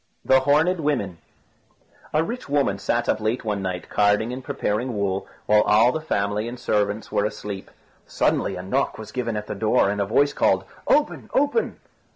THE HORNED WOMEN A rich woman sat up late one night carding and preparing wool, while all the family and servants were asleep. Suddenly a knock was given at the door, and a voice called, "Open! open!"